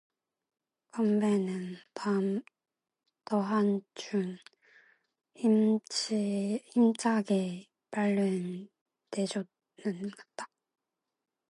건배는 더한층 힘차게 팔을 내젓는다.